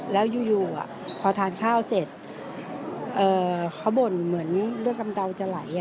แล้วอยู่พอทานข้าวเสร็จเขาบ่นเหมือนเลือดกำเดาจะไหล